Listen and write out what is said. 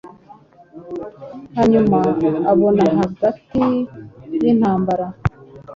Hanyuma abona hagati yintambara-